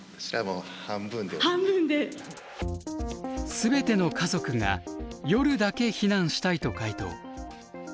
全ての家族が夜だけ避難したいと回答。